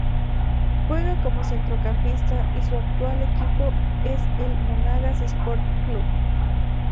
Juega como centrocampista y su actual equipo es el Monagas Sport Club.